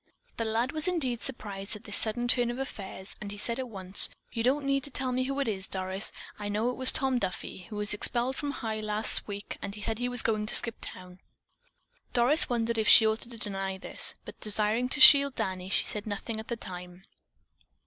The lad was indeed surprised at this sudden turn of affairs and he said at once: "You don't need to tell me who it is, Doris. I know it was Tom Duffy. He was expelled from High last week and he said he was going to skip the town." Doris wondered if she ought to deny this, but, desiring to shield Danny, she said nothing at the time.